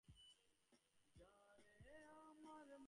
Martin বলেছিলও যে tranquilliser তাকে ততক্ষণে আমরা অনেক দূরে চলে যাব।